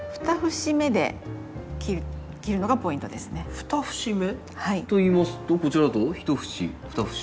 ２節目といいますとこちらだと１節２節。